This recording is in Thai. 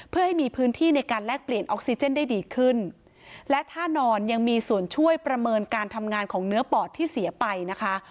เพื่อให้มีพื้นที่ในการแลกเปลี่ยนออกซิเจนได้ดีขึ้นและท่านอนยังมีส่วนช่วยประเมินการทำงานของเนื้อปอดที่เสียไปนะคะ